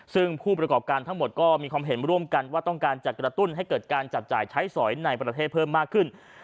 ซึ่งผู้ประกอบการทั้งหมดก็มีความเห็นร่วมกันว่าต้องการจะกระตุ้นให้เกิดการจับจ่ายใช้สอยในประเทศเพิ่มมากขึ้น